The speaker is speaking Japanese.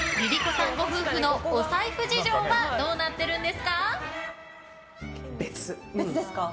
さんご夫婦のお財布事情はどうなってるんですか？